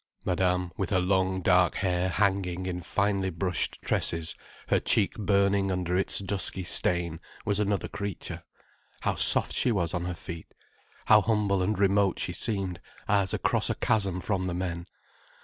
Madame, with her long dark hair hanging in finely brushed tresses, her cheek burning under its dusky stain, was another creature. How soft she was on her feet. How humble and remote she seemed, as across a chasm from the men.